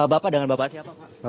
bapak dengan bapak siapa pak